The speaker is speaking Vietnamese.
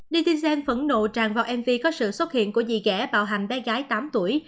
netizen phẫn nộ tràn vào mv có sự xuất hiện của dì ghẻ bạo hành bé gái tám tuổi